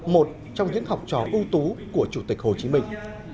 một trong những học trò ưu tú của chủ tịch hồ chí minh